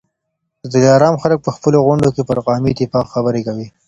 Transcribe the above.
د دلارام خلک په خپلو غونډو کي پر قومي اتفاق خبرې کوي.